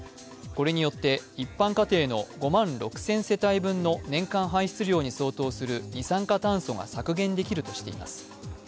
これによって、一般家庭の５万６０００世帯分の年間排出量に相当する二酸化炭素が削減できるとしています。